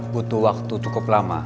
butuh waktu cukup lama